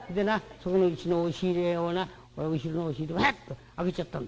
そこのうちの押し入れをな後ろの押し入れをワッと開けちゃったんだ。